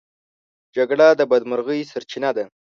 جګړه د بدمرغۍ سرچينه ده.